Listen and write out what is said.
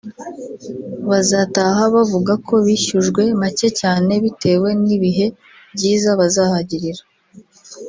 bazataha bavuga ko bishyujwe macye cyane bitewe n’ibihe byiza bazahagirira